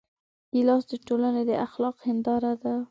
ګیلاس د ټولنې د اخلاقو هنداره ده.